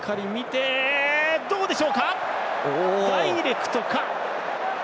ダイレクトか。